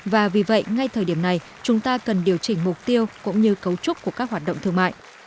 và vì vậy ngay thời điểm này chúng ta cần điều chỉnh mục tiêu cũng như cấu trúc của các hoạt động thương mại